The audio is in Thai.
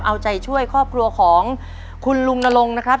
เอาใจช่วยครอบครัวของคุณลุงนรงค์นะครับ